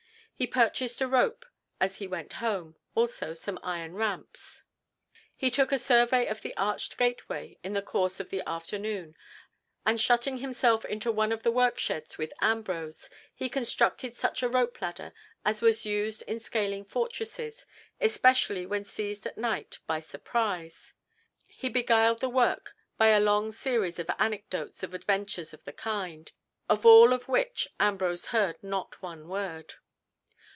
He purchased a rope as he went home, also some iron ramps. He took a survey of the arched gateway in the course of the afternoon, and shutting himself into one of the worksheds with Ambrose, he constructed such a rope ladder as was used in scaling fortresses, especially when seized at night by surprise. He beguiled the work by a long series of anecdotes of adventures of the kind, of all of which Ambrose heard not one word.